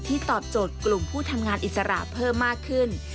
ตอบโจทย์กลุ่มผู้ทำงานอิสระเพิ่มมากขึ้น